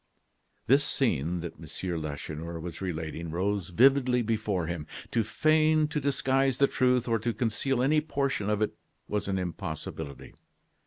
This scene that M. Lacheneur was relating rose vividly before him. To feign, to disguise the truth, or to conceal any portion of it was an impossibility.